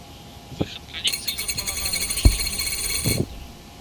Выхад калекцыі запланаваны на жнівень гэтага года.